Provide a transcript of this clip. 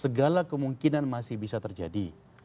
segala kemungkinan masih bisa terjadi